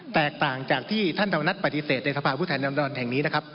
แตกต่างจากที่ท่านธรรมนัฐปฏิเสธในสภาพผู้แทนรัดดรแห่งนี้นะครับ